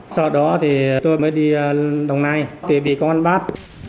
sau đó thì tôi mới đi đồng nai tuyệt bị công an bắt